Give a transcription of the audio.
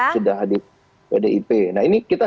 sedang di bdip nah ini kita